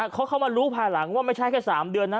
เขาเข้ามารู้ภายหลังว่าไม่ใช่แค่๓เดือนนะ